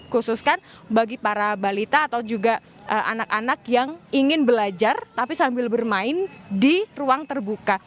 khususkan bagi para balita atau juga anak anak yang ingin belajar tapi sambil bermain di ruang terbuka